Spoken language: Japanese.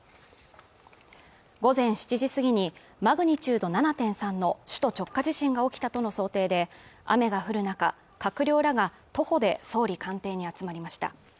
午前７時過ぎにマグニチュード７．３の首都直下地震が起きたとの想定で雨が降る中閣僚らが徒歩で総理官邸に集まりました